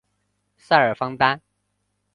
塞尔方丹。